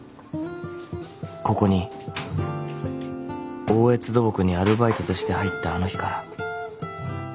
［ここに大悦土木にアルバイトとして入ったあの日から］